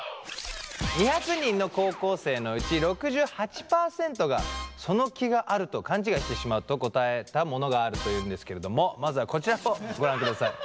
２００人の高校生のうち６８％がその気があると勘違いしてしまうと答えたものがあるというんですけれどもまずはこちらをご覧ください。